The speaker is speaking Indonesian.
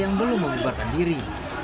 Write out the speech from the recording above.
yang belum mengubarkan diri